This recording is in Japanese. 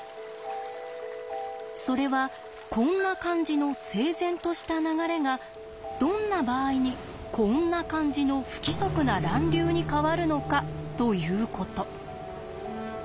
それはこんな感じの整然とした流れがどんな場合にこんな感じの不規則な乱流に変わるのかということ。